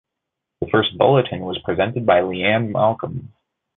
The first bulletin was presented by Leanne Malcolm.